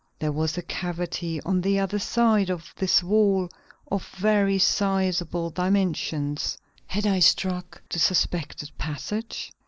There was a cavity on the other side of this wall of very sizable dimensions. Had I struck the suspected passage?